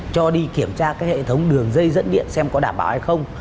cho đi kiểm tra cái hệ thống đường dây dẫn điện xem có đảm bảo hay không